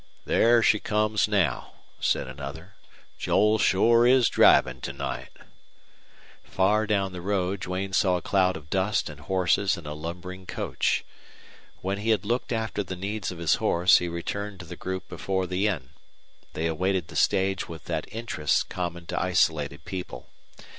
"There she comes now," said another. "Joel shore is drivin' to night." Far down the road Duane saw a cloud of dust and horses and a lumbering coach. When he had looked after the needs of his horse he returned to the group before the inn. They awaited the stage with that interest common to isolated people.